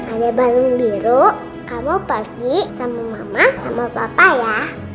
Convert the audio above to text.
adek balun biru kamu pergi sama mama sama papa ya